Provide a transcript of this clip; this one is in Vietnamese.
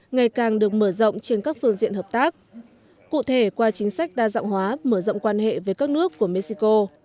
ngày càng được mở rộng trên các phương diện hợp tác cụ thể qua chính sách đa dạng hóa mở rộng quan hệ với các nước của mexico